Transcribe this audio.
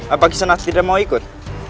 apa kisanak tidak mau ikut